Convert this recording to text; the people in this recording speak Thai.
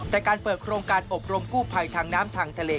แต่การเปิดโครงการอบรมกู้ภัยทางน้ำทางทะเล